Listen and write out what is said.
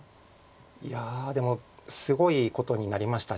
いやでもすごいことになりました。